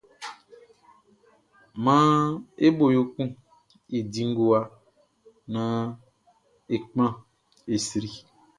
Maan e bo yo kun e di ngowa, nán e kpan, e sri.